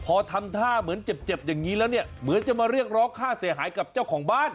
พอทำท่าเหมือนเจ็บอย่างนี้แล้วเนี่ยเหมือนจะมาเรียกร้องค่าเสียหายกับเจ้าของบ้าน